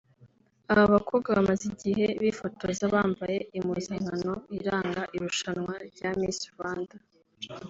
Aba bakobwa bamaze igihe bifotoza bambaye impuzankano iranga irushanwa rya Miss Rwanda